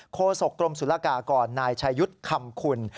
โศกรมสุรกากรนายชายุทธ์คำคุณ